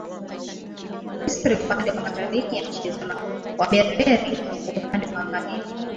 Misri upande wa Mashariki na nchi za Waberberi upande wa Magharibi